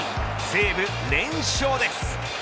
西武、連勝です。